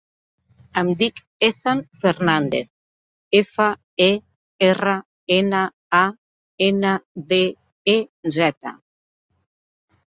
Em dic Ethan Fernandez: efa, e, erra, ena, a, ena, de, e, zeta.